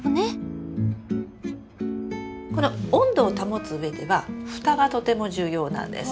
この温度を保つうえではふたはとても重要なんです。